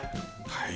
はい。